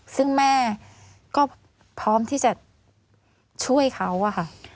ซึ่งแม่ก็พร้อมที่จะช่วยเขาอะค่ะ